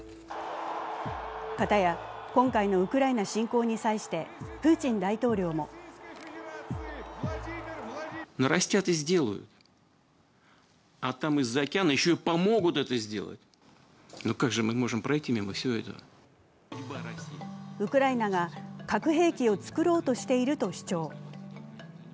方や今回のウクライナ侵攻に際してプーチン大統領もウクライナが核兵器を作ろうとしていると主張。